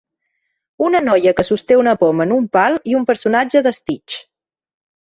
Una noia que sosté una poma en un pal i un personatge de Stitch.